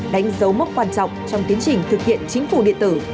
đánh dấu mốc quan trọng trong tiến trình thực hiện chính phủ điện tử